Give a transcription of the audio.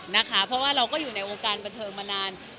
นะคะเพราะว่าเราก็อยู่ในวงการบันเทิงมานาน